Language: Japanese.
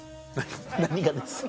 何がです？